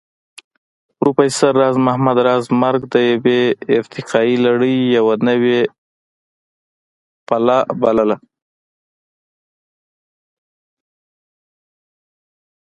پروفېسر راز محمد راز مرګ د يوې ارتقائي لړۍ يوه نوې پله بلله